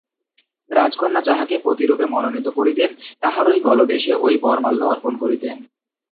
রাজকন্যা যাঁহাকে পতিরূপে মনোনীত করিতেন, তাঁহারই গলদেশে ঐ বরমাল্য অর্পণ করিতেন।